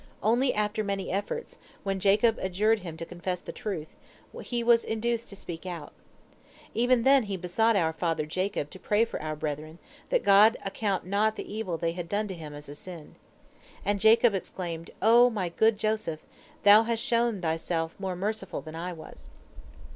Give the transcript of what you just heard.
Only after many efforts, when Jacob adjured him to confess the truth, he was induced to speak out. Even then he besought our father Jacob to pray for our brethren, that God account not the evil they had done to him as a sin. And Jacob exclaimed, 'O my good child Joseph, thou hast shown thyself more merciful than I was!'